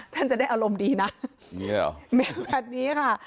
ท่านจะได้อารมณ์ดีนะแบบนี้ค่ะ